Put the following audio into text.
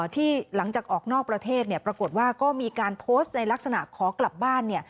ที่หลังจากออกนอกประเทศเนี่ยปรากฏว่าก็มีการโพสต์ในลักษณะขอกลับบ้านเนี่ย